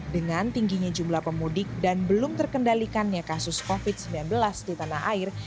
dengan tingginya jumlah pemudik dan belum terkendalikannya kasus covid sembilan belas di tanah air